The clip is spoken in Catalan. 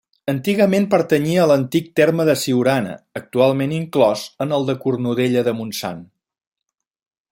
Antigament pertanyia a l'antic terme de Siurana, actualment inclòs en el de Cornudella de Montsant.